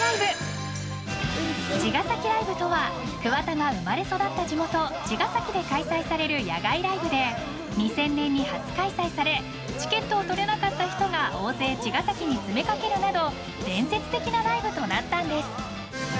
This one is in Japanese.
［茅ヶ崎ライブとは桑田が生まれ育った地元茅ヶ崎で開催される野外ライブで２０００年に初開催されチケットを取れなかった人が大勢茅ヶ崎に詰め掛けるなど伝説的なライブとなったんです］